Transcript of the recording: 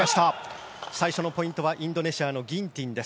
最初のポイントはインドネシア、ギンティン。